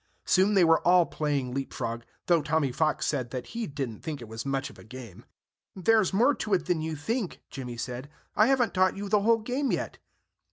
Soon they were all playing leap frog, though Tommy Fox said that he didn't think it was much of a game. "There's more to it than you think," Jimmy said. "I haven't taught you the whole game yet."